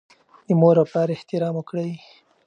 د مور او پلار احترام وکړئ.